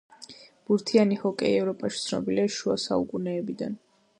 ბურთიანი ჰოკეი ევროპაში ცნობილია შუა საუკუნეებიდან.